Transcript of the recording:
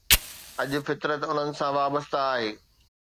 اڄ فطرت انهن سان وابسته آهي.